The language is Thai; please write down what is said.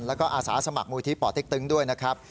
แล้วก็อาสาสมัครมูลที่ป่อเต็กตึงด้วยนะครับ